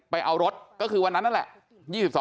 ไปเอารถก็คือวันนั้นนั่นแหละ